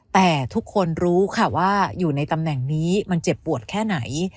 แต่ทุกคนรู้ค่ะว่าอยู่ในตำแหน่งนี้มันเจ็บปวดแค่ไหน